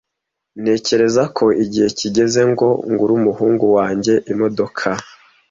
Ntekereza ko igihe kigeze ngo ngure umuhungu wanjye imodoka.